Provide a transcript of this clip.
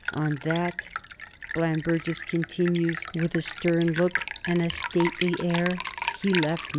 "On that," Bland Burges continues, "with a stern look and a stately air he left me."